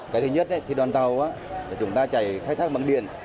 cái thứ nhất thì đoàn tàu chúng ta chạy khai thác bằng điện